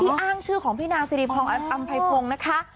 ที่อ้างชื่อของพี่นางซิริฟองอัมไภพงศ์นะคะ